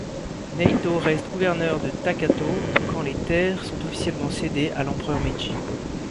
Naitō reste gouverneur de Takatō quand les terres sont officiellement cédées à l'empereur Meiji.